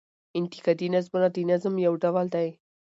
انتقادي نظمونه د نظم يو ډول دﺉ.